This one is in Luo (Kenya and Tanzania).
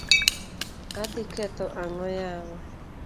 Adhi ketho ang'o yawa.